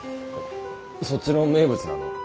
そっちの名物なの？